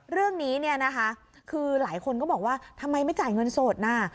เรื่องนี้เนี่ยนะคะคือหลายคนก็บอกว่าทำไมไม่จ่ายเงินสดน่ะ